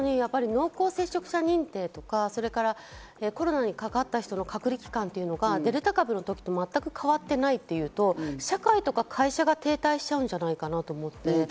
濃厚接触者認定といって、コロナにかかった人の隔離期間というのがデルタ株の時と全く変わっていないというと、社会とか会社が停滞しちゃうんじゃないかなと思って。